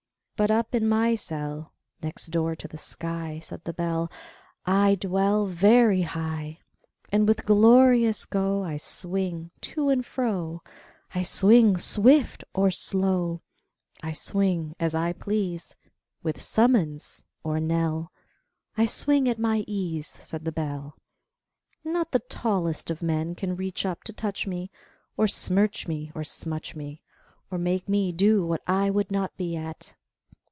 But up in my cell Next door to the sky, Said the Bell, I dwell Very high; And with glorious go I swing to and fro; I swing swift or slow, I swing as I please, With summons or knell; I swing at my ease, Said the Bell: Not the tallest of men Can reach up to touch me, To smirch me or smutch me, Or make me do what I would not be at!